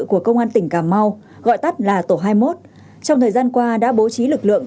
của công an tỉnh cà mau gọi tắt là tổ hai mươi một trong thời gian qua đã bố trí lực lượng